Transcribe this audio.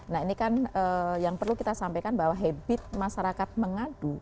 nah ini kan yang perlu kita sampaikan bahwa habit masyarakat mengadu